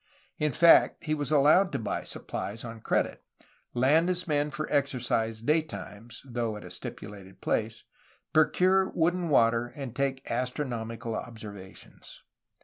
In fact he was allowed to buy supplies on credit, land his men for exercise daytimes (though at a stipulated place), procure wood and water, and take astronomical observations.